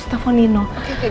kamu tenang ya kamu tenang